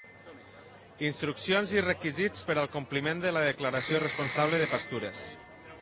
Instruccions i requisits per al compliment de la Declaració responsable de pastures.